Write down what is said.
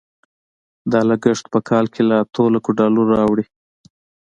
دا لګښت په کال کې له اتو لکو ډالرو اوړي.